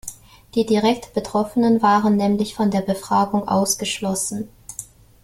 Die direkt Betroffenen waren nämlich von der Befragung ausgeschlossen.